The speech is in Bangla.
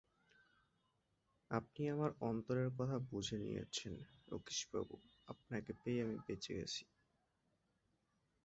আপনি আমার অন্তরের কথা বুঝে নিয়েছেন রসিকবাবু, আপনাকে পেয়ে আমি বেঁচে গেছি।